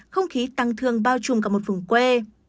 không khí tăng thường bao trùm cả một vùng quê